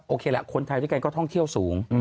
แหละคนไทยด้วยกันก็ท่องเที่ยวสูง